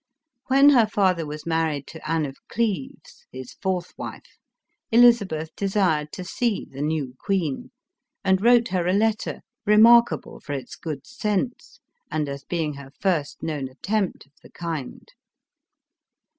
When her father was married to Anne of Cleves, his fourth wife, Elizabeth desired to see the new queen, and wrote her a letter, remarkable for its good sense and as being her first known attempt of the kind.